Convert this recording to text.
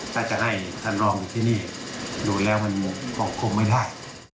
ถ้าจะให้ท่านรออยู่ที่นี่อยู่แล้วมันปล่องคมไม่ได้